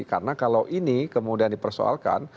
karena kalau ini kemudian dipersoalkan